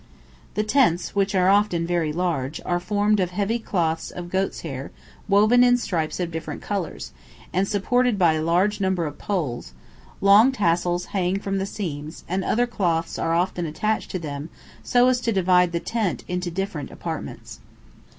The tents, which are often very large, are formed of heavy cloths of goats' hair woven in stripes of different colours, and supported by a large number of poles; long tassels hang from the seams, and other cloths are often attached to them so as to divide the tent into different apartments.